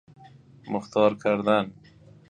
مختار کردن